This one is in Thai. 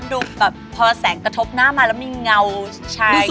ดูแบบพอแสงกระทบหน้ามาแล้วมีเงาชายขึ้นมา